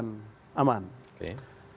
mungkin situasi golkar akan aman